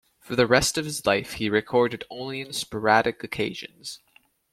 For the rest of his life, he recorded only on sporadic occasions.